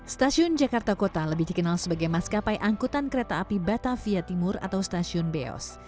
stasiun jakarta kota lebih dikenal sebagai maskapai angkutan kereta api batavia timur atau stasiun beos